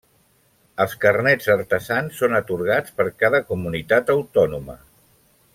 Els carnets artesans són atorgats per cada comunitat autònoma.